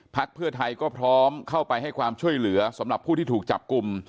เพื่อไทยก็พร้อมเข้าไปให้ความช่วยเหลือสำหรับผู้ที่ถูกจับกลุ่ม